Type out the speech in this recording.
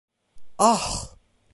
Aaah!